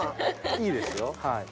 いいですよはい。